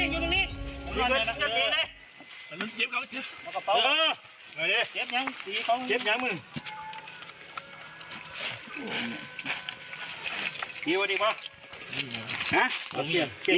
อยู่ตรงนี้อยู่ตรงนี้อยู่ตรงนี้เอากระเป๋าก็เอาเลย